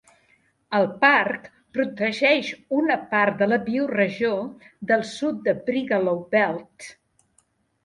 El parc protegeix una part de la biorregió del sud de Brigalow Belt.